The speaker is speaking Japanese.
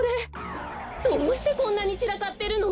どうしてこんなにちらかってるの？